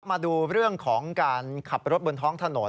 มาดูเรื่องของการขับรถบนท้องถนน